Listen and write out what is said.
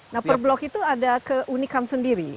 nah per blok itu ada ke unikam sendiri